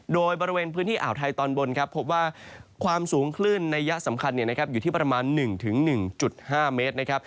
โดยบริเวณพื้นที่อ่าวไทยตอนบนครับพบว่าความสูงคลื่นในยะสำคัญอยู่ที่ประมาณ๑๑๕เมตรนะครับ